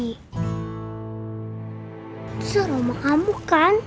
itu rumah kamu kan